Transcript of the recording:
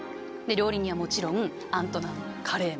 料理人はもちろんアントナン・カレーム。